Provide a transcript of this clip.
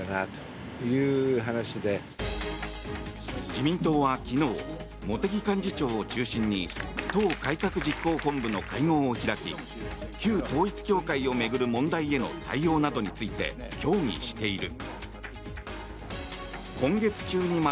自民党は昨日茂木幹事長を中心に党改革実行本部の会合を開き旧統一教会を巡る問題への対応などについて協議している。